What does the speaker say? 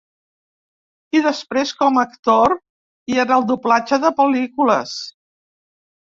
I després com a actor i en el doblatge de pel·lícules.